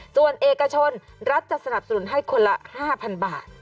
ส่วนเอกชนรัฐจะสนับสนุนให้คนละ๕๐๐๐บาท